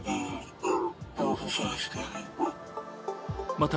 また